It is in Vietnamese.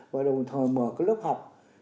và đồng thời mở cái lớp học